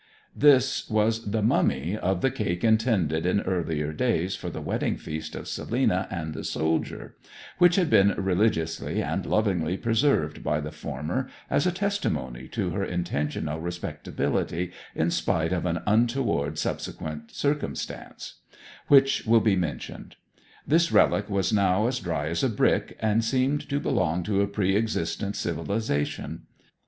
This was the mummy of the cake intended in earlier days for the wedding feast of Selina and the soldier, which had been religiously and lovingly preserved by the former as a testimony to her intentional respectability in spite of an untoward subsequent circumstance, which will be mentioned. This relic was now as dry as a brick, and seemed to belong to a pre existent civilization.